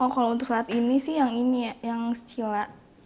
kalau untuk saat ini sih yang ini ya yang cila